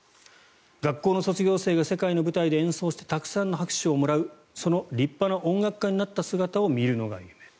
学校の卒業生が世界の舞台で演奏してたくさんの拍手をもらうその立派な音楽家になった姿を見るのが夢。